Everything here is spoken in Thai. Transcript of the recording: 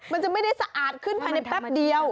มันจะไม่ได้สะอาดขึ้นภายในแป๊บเดียว